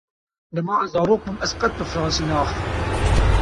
Dema ez zarok bûm ez qet bi fransî neaxivîm.